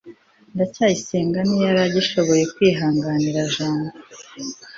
ndacyayisenga ntiyagishoboye kwihanganira jabo